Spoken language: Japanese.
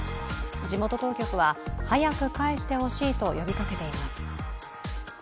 地元当局は早く返してほしいと呼びかけています。